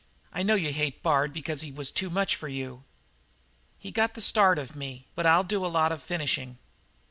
I know you hate Bard because he was too much for you." "He got the start of me, but I'll do a lot of finishing."